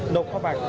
nộp kho bạc